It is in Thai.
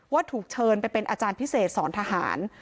ว่าถูกเชิญไปเป็นอาจารย์พิเศษสอนทหาร